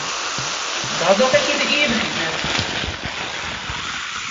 Dat doch ik yn der ivichheid net.